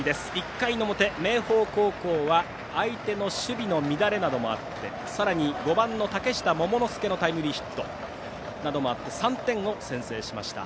１回表、明豊高校は相手の守備の乱れなどもあってさらに５番の嶽下桃之介のタイムリーヒットなどもあって３点を先制しました。